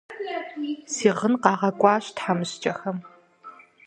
Си гъын къагъэкӀуащ тхьэмыщкӀэхэм.